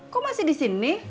kok masih di sini